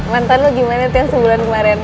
mantan lo gimana tuh yang sebulan kemaren